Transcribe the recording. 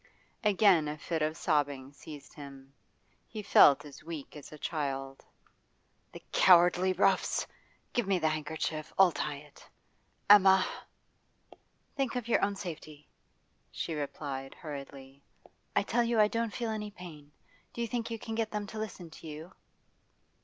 Again a fit of sobbing seized him; he felt as weak as a child. 'The cowardly roughs! Give me the handkerchief I'll tie it. Emma!' 'Think of your own safety,' she replied hurriedly. 'I tell you I don't feel any pain. Do you think you can get them to listen to you?